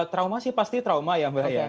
trauma sih pasti trauma ya mbak ya